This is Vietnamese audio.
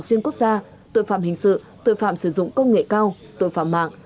xuyên quốc gia tội phạm hình sự tội phạm sử dụng công nghệ cao tội phạm mạng